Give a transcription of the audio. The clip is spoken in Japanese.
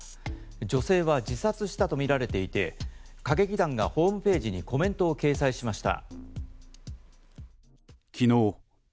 女性は自殺したとみられていて歌劇団がホームページにコメントを掲載しました。